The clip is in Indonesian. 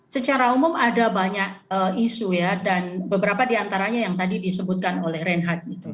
secara umum ada banyak isu ya dan beberapa diantaranya yang tadi disebutkan oleh reinhardt